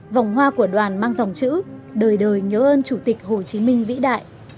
vòng hoa của đoàn mang dòng chữ đời đời nhớ ơn chủ tịch hồ chí minh vĩ đại